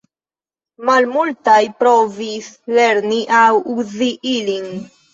Malmultaj provis lerni aŭ uzi ilin.